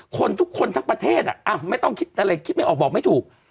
คนทุกคนทั้งประเทศไม่ต้องคิดอะไรคิดไม่ออกบอกไม่ถูก